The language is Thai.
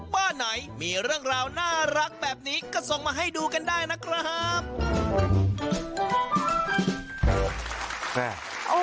บ้านไหนมีเรื่องราวน่ารักแบบนี้ก็ส่งมาให้ดูกันได้นะครับ